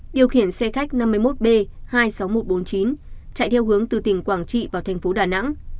điều khiển xe khách năm mươi một b hai mươi sáu nghìn một trăm bốn mươi chín chạy theo hướng từ tỉnh quảng trị vào thành phố đà nẵng